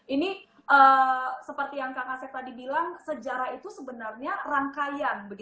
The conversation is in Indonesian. ini seperti yang kang asep tadi bilang sejarah itu sebenarnya rangkaian